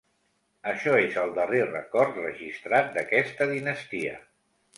Això és el darrer rècord registrat d'aquesta dinastia.